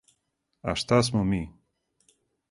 А шта смо ми?